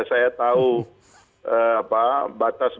saya tahu batas batasnya